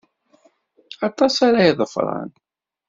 Aṭas ara d-iḍefṛen.